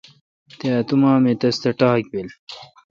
تے اتو ما اے° تس تہ ٹاک بیل۔